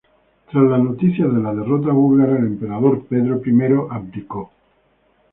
Tras la noticia de la derrota búlgara el emperador Pedro I abdicó.